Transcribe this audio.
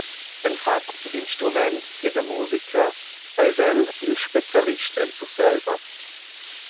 En fatgs dad instruments e da musica eis el il specialist en Surselva.